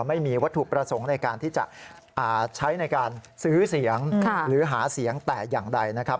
ไม่มีวัตถุประสงค์ในการที่จะใช้ในการซื้อเสียงหรือหาเสียงแต่อย่างใดนะครับ